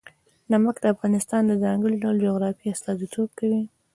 نمک د افغانستان د ځانګړي ډول جغرافیه استازیتوب کوي.